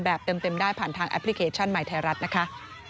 แบบเต็มได้ผ่านทางแอปพลิเคชันใหม่ไทยรัฐนะคะ